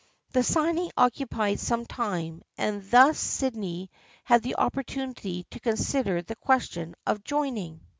The signing occupied some time and thus Syd ney had the opportunity to consider the question of joining.